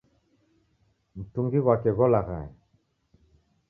Mutungi ghwake gholaghaya.